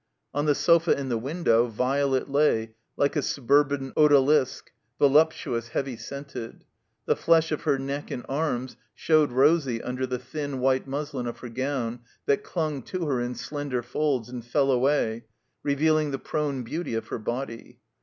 On the sofa in the window Violet lay like a suburban odalisk, voluptuous, heavy scented. The flesh of her neck and arms showed rosy under the thin, white muslin of her gown that dtmg to her in slender folds and fell away, revealing the prone beauty of her body.